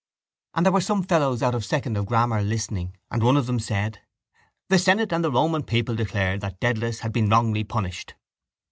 And there were some fellows out of second of grammar listening and one of them said: —The senate and the Roman people declared that Dedalus had been wrongly punished.